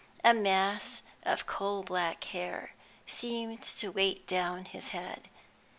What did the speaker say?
A mass of coal black hair seemed to weigh down his head.